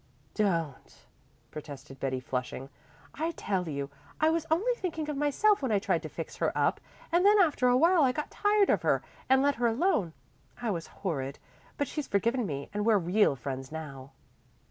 "Don't," protested Betty, flushing. "I tell you, I was only thinking of myself when I tried to fix her up, and then after a while I got tired of her and let her alone. I was horrid, but she's forgiven me and we're real friends now."